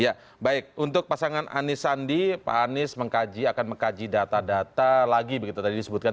ya baik untuk pasangan anis sandi pak anies mengkaji akan mengkaji data data lagi begitu tadi disebutkan